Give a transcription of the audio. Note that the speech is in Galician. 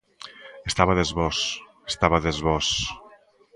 Estabades vós, estabades vós.